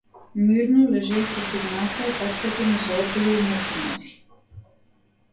Мирно лежејќи си внатре, таткото му се опулил на сина си.